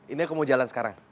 ini aku mau jalan sekarang